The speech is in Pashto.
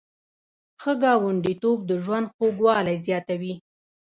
ښه ګاونډیتوب د ژوند خوږوالی زیاتوي.